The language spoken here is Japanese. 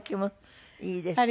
いいですよね。